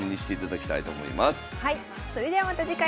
それではまた次回。